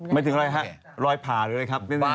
ไม่ถึงอะไรฮะรอยผ่าเลยครับ